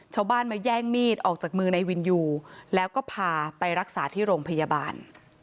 ชาวบ้านมาแย่งมีดออกจากมือในวินยูแล้วก็พาไปรักษาที่โรงพยาบาล